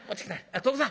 徳さん